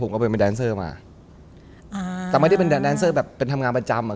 มาอ่าสำหรับที่เป็นแดนเซอร์แบบเป็นทำงานประจำอ่ะ